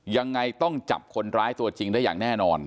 ยังไงต้องจับคนร้ายตัวจริงได้อย่างแน่นอน